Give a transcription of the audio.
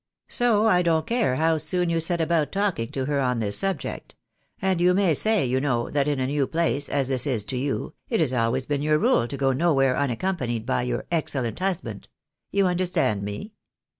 So I don't care how soon you set about talking to her on this subject ; and you may say, you know, that in a new place, as this is to you, it has always been your rule to go nowhere unaccompanied by your ' excellent hus band.' You understand me